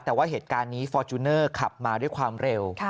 แต่ว่าเหตุการณ์นี้ฟอร์จูเนอร์ขับมาด้วยความเร็ว